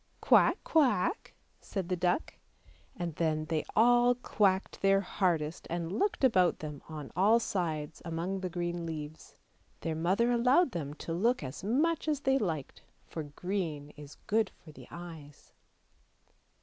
" Quack! quack! " said the duck; and then they all quacked their hardest, and looked about them on all sides among the green leaves; their mother allowed them to look as much as they liked, for green is good for the eyes.